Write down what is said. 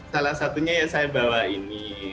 salah satunya yang saya bawa ini